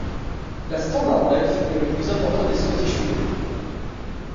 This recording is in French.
La Standard Life est le plus important des scottish widows.